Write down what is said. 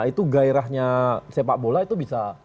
itu gairahnya sepak bola itu bisa